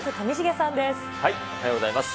おはようございます。